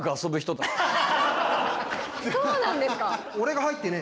そうなんですか？